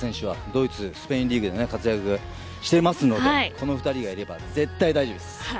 ドイツのスペインリーグで活躍していますのでこの２人がいれば絶対大丈夫です。